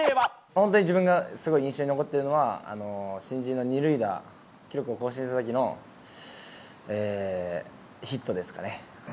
本当に自分がすごい印象に残っているのは、新人の２塁打記録を更新したときのヒットですかね。